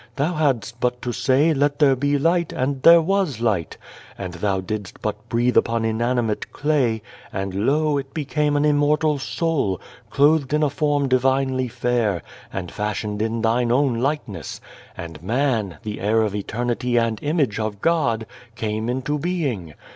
Thou hadst but to say, ' Let there be light,' and there was light ; and Thou didst but breathe upon inanimate clay, and lo ! it became an immortal soul, clothed in a form divinely fair, and fashioned in Thine own likeness ; and man, the heir of eternity and image of God, came into being.